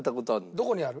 どこにある？